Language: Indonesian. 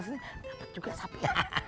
nampak juga sapi